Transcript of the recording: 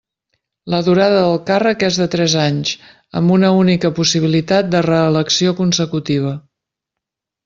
La durada del càrrec és de tres anys, amb una única possibilitat de reelecció consecutiva.